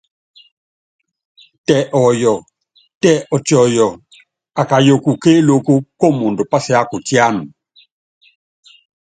Tɛ ɔyɔ, tɛ ɔtiɔ́yɔ́ɔ, akayuku kélúkú kumuundɔ pásiákutíána.